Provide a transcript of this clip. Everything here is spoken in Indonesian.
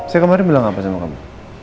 emang keb writes apa aja kamu